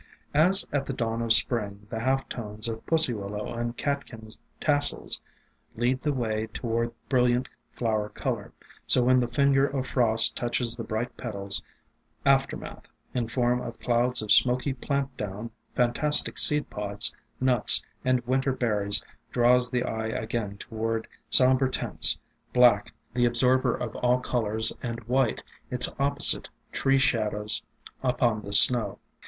As at the dawn of Spring, the half tones of Pussy Willow and Catkin tassels lead the way toward brilliant flower color, so when the finger of frost touches the bright petals, after math, in form of clouds of smoky plant down, fantastic seed pods, nuts and Win \ii ter berries, draws the eye again toward | somber tints, — black, the absorber of all ty colors, and white, its opposite — tree shad ows upon the snow.